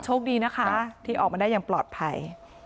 โชคดีนะคะที่ออกมาได้อย่างปลอดภัย